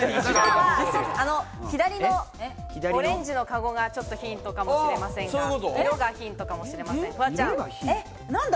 左のオレンジのかごがヒントかもしれませんが、色がヒントかもしれません。